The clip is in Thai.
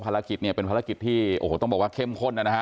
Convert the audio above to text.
ภารกิจเนี่ยเป็นภารกิจที่โอ้โหต้องบอกว่าเข้มข้นนะฮะ